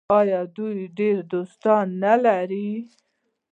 آیا دوی ډیر دوستان نلري؟